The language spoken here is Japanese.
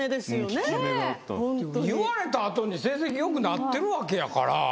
言われた後に成績良くなってるわけやから。